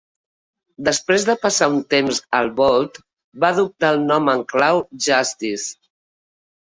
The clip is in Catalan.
Després de passar un temps al Vault, va adoptar el nom en clau Justice.